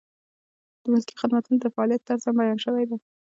د ملکي خدمتونو د فعالیت طرز هم بیان شوی دی.